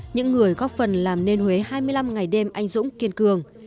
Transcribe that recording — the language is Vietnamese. những người góp phần làm nên huế hai mươi năm ngày đêm anh dũng kiên cường